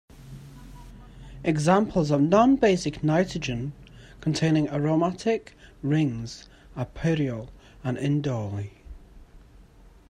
Examples of non-basic nitrogen-containing aromatic rings are pyrrole and indole.